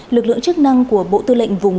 lực lượng chức năng của bộ tư lệnh vùng